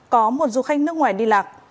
có một du khách nước ngoài đi lạc